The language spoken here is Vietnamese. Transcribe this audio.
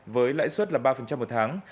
với lãi suất là ba một tháng